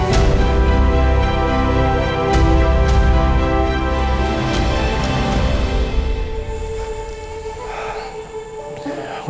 aku akan nungguin kamu